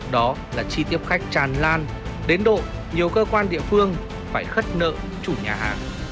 đó là chi tiếp khách tràn lan đến độ nhiều cơ quan địa phương phải khất nợ chủ nhà hàng